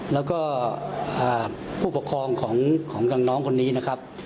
แล้วก็ผู้ปกครองของน้องคนนี้นะครับ